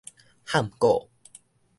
譀古